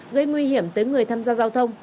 gây nguy hiểm tới người tham gia giao thông